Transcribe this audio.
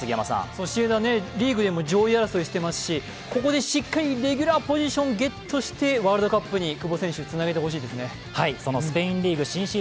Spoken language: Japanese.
ソシエダ、リーグでも上位争いしていますし、ここでしっかりレギュラーポジションをゲットしてワールドカップ、久保選手つなげてほしいです。